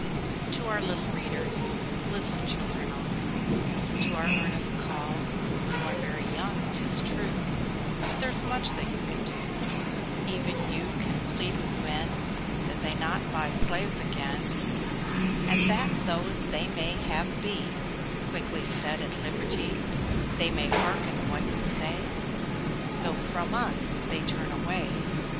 TO OUR LITTLE READERS. Listen, little children, all, Listen to our earnest call: You are very young, 'tis true, But there's much that you can do. Even you can plead with men That they buy not slaves again, And that those they have may be Quickly set at liberty. They may hearken what you say, Though from us they turn away.